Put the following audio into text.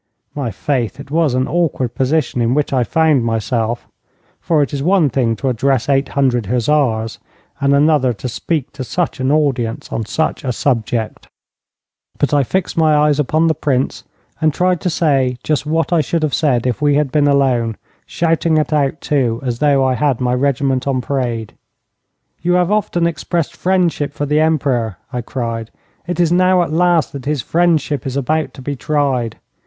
My faith, it was an awkward position in which I found myself, for it is one thing to address eight hundred hussars, and another to speak to such an audience on such a subject. But I fixed my eyes upon the Prince, and tried to say just what I should have said if we had been alone, shouting it out, too, as though I had my regiment on parade. 'You have often expressed friendship for the Emperor,' I cried. 'It is now at last that this friendship is about to be tried.